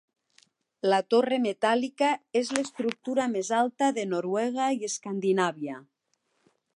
La torre metàl·lica és l'estructura més alta de Noruega i Escandinàvia.